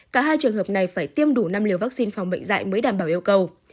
cả hai trường hợp này phải tiêm đủ năm liều vaccine phòng bệnh dạy mới đảm bảo yêu cầu